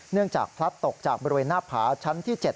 จากพลัดตกจากบริเวณหน้าผาชั้นที่๗